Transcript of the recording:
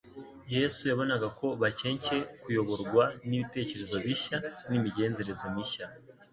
Yesu yabonaga ko bakencye kuyoborwa n'ibitekerezo bishya n'imigenzereze mishya;